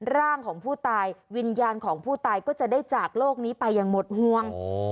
ร่างของผู้ตายวิญญาณของผู้ตายก็จะได้จากโลกนี้ไปอย่างหมดห่วง